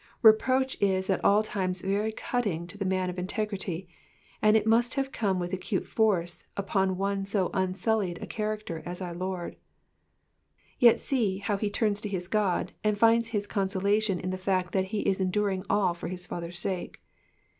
Reproach is at all times very cutting to a man of integrity, and it must have come with acute force upon one of so unsullied a character as our Lord ; yet see, how he turns to his God, and finds his conso lation in the fact that he is enduring all for his Father's sake.